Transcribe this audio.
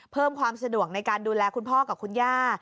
เพิ่มความสะดวกในการดูแลคุณพ่อกับคุณย่า